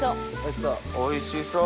おいしそう！